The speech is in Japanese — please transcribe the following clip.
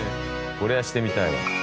これはしてみたいわ。